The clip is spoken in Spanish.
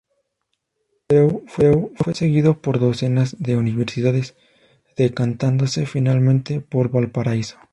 Drew fue seguido por docenas de universidades, decantándose finalmente por Valparaiso.